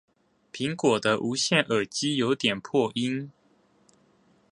蘋果的無線耳機有點破音